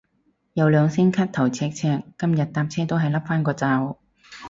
有兩聲咳頭赤赤，今日搭車都係笠返個罩